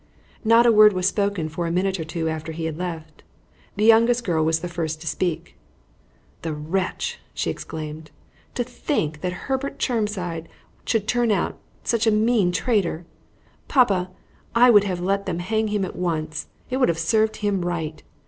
Not a word was spoken for a minute or two after he had left. The youngest girl was the first to speak. "The wretch!" she exclaimed. "To think that Herbert Chermside should turn out such a mean traitor! Papa, I would have let them hang him at once. It would have served him right.